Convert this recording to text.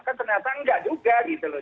kan ternyata enggak juga gitu loh